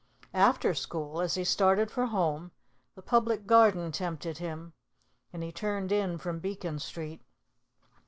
After school, as he started for home, the Public Garden tempted him, and he turned in from Beacon Street.